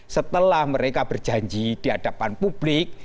setelah mereka berjanji di hadapan publik